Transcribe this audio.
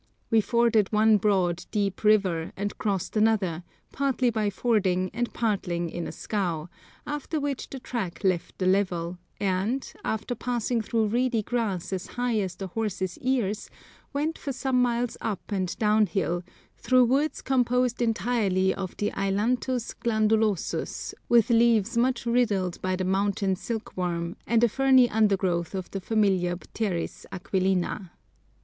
We forded one broad, deep river, and crossed another, partly by fording and partly in a scow, after which the track left the level, and, after passing through reedy grass as high as the horse's ears, went for some miles up and down hill, through woods composed entirely of the Ailanthus glandulosus, with leaves much riddled by the mountain silk worm, and a ferny undergrowth of the familiar Pteris aquilina.